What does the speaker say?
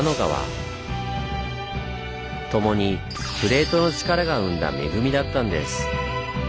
共にプレートの力が生んだ恵みだったんです。